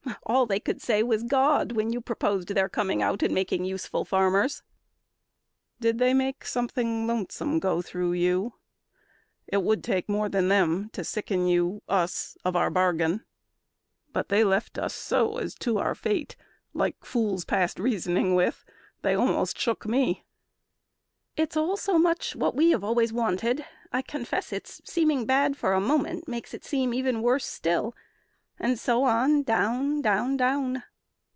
All they could say was 'God!' when you proposed Their coming out and making useful farmers." "Did they make something lonesome go through you? It would take more than them to sicken you Us of our bargain. But they left us so As to our fate, like fools past reasoning with. They almost shook me." "It's all so much What we have always wanted, I confess It's seeming bad for a moment makes it seem Even worse still, and so on down, down, down.